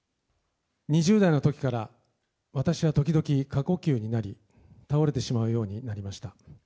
２０代のときから、私は時々、過呼吸になり、倒れてしまうようになりました。